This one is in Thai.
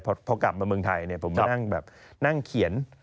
พอกลับมาเมืองไทยผมนั่งเขียน